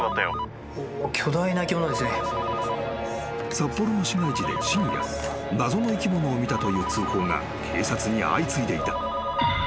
［札幌の市街地で深夜謎の生き物を見たという通報が警察に相次いでいた］